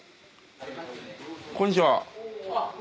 あっこんにちは。